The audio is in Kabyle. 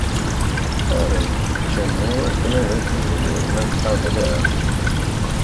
Ad teččem iwakken ad tizmirem ad tqablem.